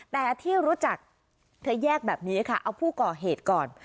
แต่ที่รู้จักเธอแยกแบบนี้ค่ะเอาผู้ก่อเหตุก่อน